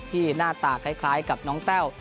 หน้าตาคล้ายกับน้องแต้ว